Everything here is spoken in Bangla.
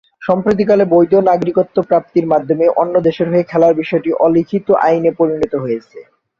সাম্প্রতিককালে বৈধ নাগরিকত্ব প্রাপ্তির মাধ্যমে অন্য দেশের হয়ে খেলার বিষয়টি অলিখিত আইনে পরিণত হয়েছে।